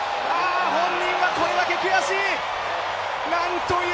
本人はこれだけ悔しい。